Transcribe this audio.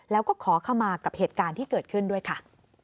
แล้วก็ขอขมากับเหตุการณ์ที่เกิดขึ้นด้วยค่ะ